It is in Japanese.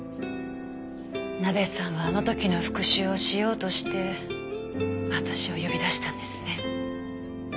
ナベさんはあの時の復讐をしようとして私を呼び出したんですね。